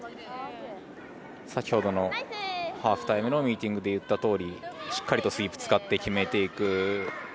先ほどのハーフタイムのミーティングで言ったとおりしっかりとスイープ使って決めていく。